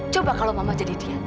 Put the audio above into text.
coba kalau mama jadi dia